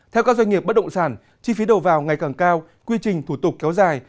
theo các doanh nghiệp bất động sản chi phí đầu vào ngày càng cao quy trình thủ tục kéo dài